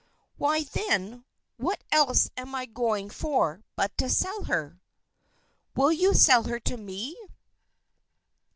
"Why, then, what else am I going for, but to sell her?" "Will you sell her to me?"